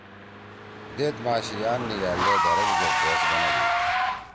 دیت ما شِیان نھگألدے دھریل گے گوس بنَدی۔